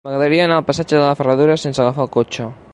M'agradaria anar al passatge de la Ferradura sense agafar el cotxe.